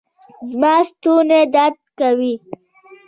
زما ستونی درد کوي